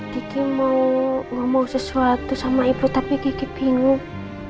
kiki mau ngomong sesuatu sama ibu tapi kiki bingung